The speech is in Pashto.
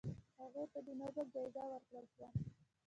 هغې ته د نوبل جایزه ورکړل شوه.